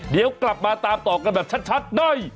เดี๋ยวกลับมาตามต่อกันแบบชัดได้